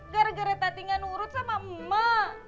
gara gara tati gak nurut sama emak